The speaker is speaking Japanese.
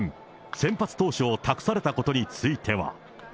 先発投手を託されたことについては。